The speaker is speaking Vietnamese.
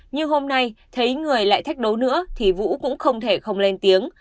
nhưng hôm nay thấy người lại thách đố nữa thì vũ cũng không thể không lên tiếng